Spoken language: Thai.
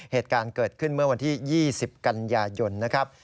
เหตุการณ์เกิดขึ้นเมื่อวันที่๒๐กันยายนนะครับ